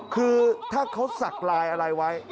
คือถ้าเขาสักลายอะไรไว้